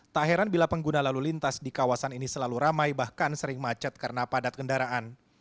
tak heran bila pengguna lalu lintas di kawasan ini selalu ramai bahkan sering macet karena padat kendaraan